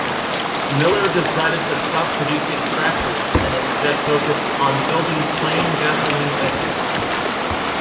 Miller decided to stop producing tractors and instead focus on building plain gasoline engines.